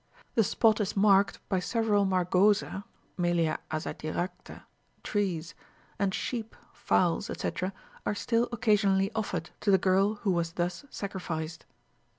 The spot is marked by several margosa (Melia Azadirachta) trees, and sheep, fowls, etc., are still occasionally offered to the girl who was thus sacrificed.